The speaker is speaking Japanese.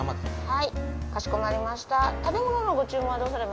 はいかしこまりました